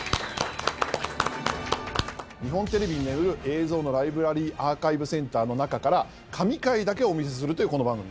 日本テレビに眠る映像のライブラリー「アーカイブセンター」の中から神回だけお見せするというこの番組。